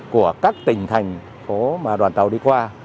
của các tỉnh thành phố mà đoàn tàu đi qua